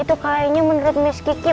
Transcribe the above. itu kayaknya menurut miss kiki